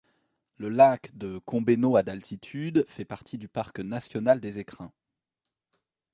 Le lac de Combeynot à d'altitude fait partie du parc national des Écrins.